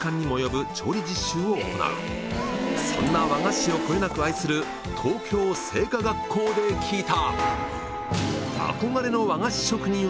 そんな和菓子をこよなく愛する東京製菓学校で聞いた。